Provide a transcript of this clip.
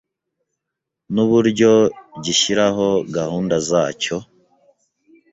n’uburyo gishyiraho gahunda za cyo.